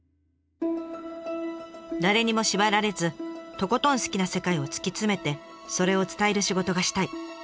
「誰にも縛られずとことん好きな世界を突き詰めてそれを伝える仕事がしたい」。